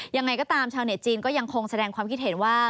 ยังไงก็ตามชาวเน็ตจีนก็ยังคงแสดงความคิดเห็นว่า